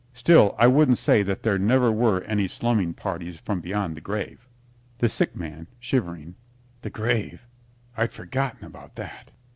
Still, I wouldn't say that there never were any slumming parties from beyond the grave. THE SICK MAN (shivering) The grave! I'd forgotten about that.